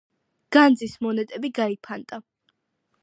განძის მონეტები გაიფანტა.